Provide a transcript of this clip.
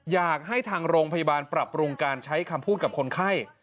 อยากให้ทางโรงพยาบาลปรับปรุงการใช้คำพูดกับคนไข้